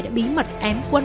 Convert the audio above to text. đã bí mật ém quân